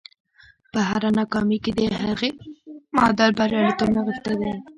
په هره ناکامي کې د هغې معادل برياليتوب نغښتی دی.